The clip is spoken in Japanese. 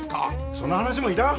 その話もいらん！